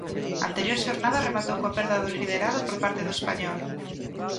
A anterior xornada rematou coa perda do liderado por parte do Español.